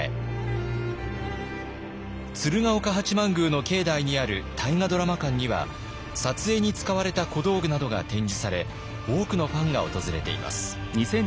鶴岡八幡宮の境内にある大河ドラマ館には撮影に使われた小道具などが展示され多くのファンが訪れています。